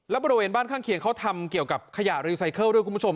และบริเวณบ้านข้างเคียงเขาทำเกี่ยวกับขยะรีไซเคิลด้วยคุณผู้ชม